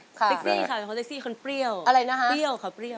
สิคซี่ค่ะเป็นคนสิคซี่คนเปรี้ยวเปรี้ยวค่ะเปรี้ยว